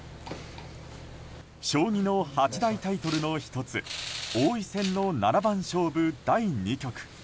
将棋の八大タイトルの１つ王位戦の七番勝負第２局。